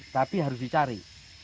tapi harus dicari